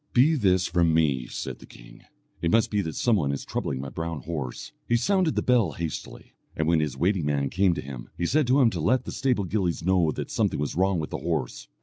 "Be this from me," said the king; "it must be that some one is troubling my brown horse." He sounded the bell hastily, and when his waiting man came to him, he said to him to let the stable gillies know that something was wrong with the horse.